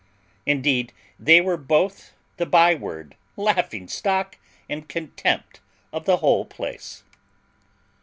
Indeed they were both the byword, laughing stock, and contempt of the whole place.